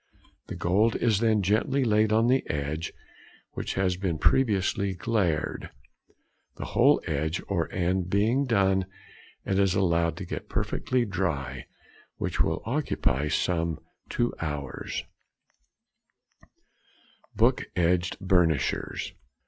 The gold is then gently laid on the edge, which has been previously glaired. The whole edge or end being done, it is allowed to get perfectly dry, which will occupy some two hours. [Illustration: Book edge Burnishers.